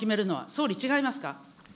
総理、違いますか。